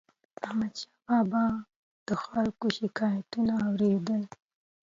احمدشاه بابا به د خلکو شکایتونه اور يدل.